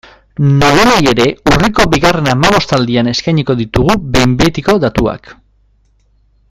Nolanahi ere, urriko bigarren hamabostaldian eskainiko ditugu behin betiko datuak.